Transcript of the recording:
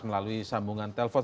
melalui sambungan telpon